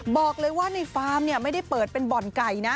บอกเลยว่าในฟาร์มเนี่ยไม่ได้เปิดเป็นบ่อนไก่นะ